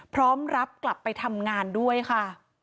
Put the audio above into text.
พร้อมรับกลับไปทำงานด้วยค่ะ